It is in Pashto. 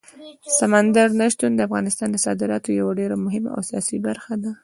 سمندر نه شتون د افغانستان د صادراتو یوه ډېره مهمه او اساسي برخه ده.